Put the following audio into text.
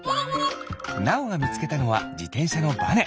なおがみつけたのはじてんしゃのバネ。